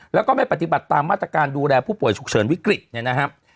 แล้วก็ไม่ปฏิบัติตามมาตรการดูแลผู้ป่วยฉุกเฉินวิกฤตเนี่ยนะครับ